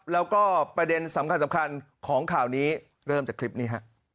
แล้วก็ประเด็นสำคัญของข่าวนี้เริ่มจากคลิปนี้